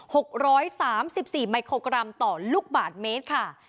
หกร้อยสามสิบสี่ไมโครกรัมต่อลูกบาทเมตรค่ะ